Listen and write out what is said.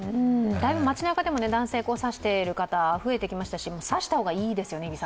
だいぶ街なかでも男性で差している方、増えてきましたし、差した方がいいですよね。